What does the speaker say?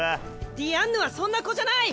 ディアンヌはそんな子じゃない！